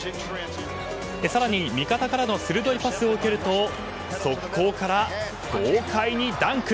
更に、味方からの鋭いパスを受けると、速攻から豪快にダンク！